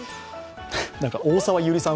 大沢悠里さん